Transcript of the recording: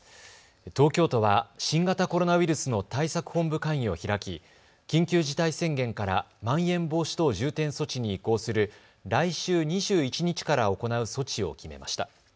東京都は新型コロナウイルスの対策本部会議を開き緊急事態宣言からまん延防止等重点措置に移行する来週２１日から行う措置を決めました。